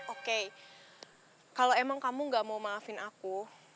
oke kalau emang kamu gak mau maafin aku